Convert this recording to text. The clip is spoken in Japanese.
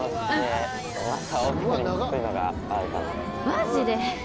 マジで？